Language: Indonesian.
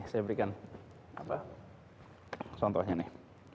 saya berikan contohnya nih